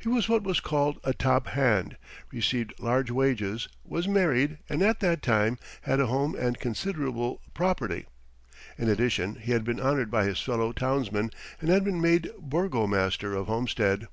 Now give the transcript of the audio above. He was what was called a "top hand," received large wages, was married, and at that time had a home and considerable property. In addition, he had been honored by his fellow townsmen and had been made burgomaster of Homestead.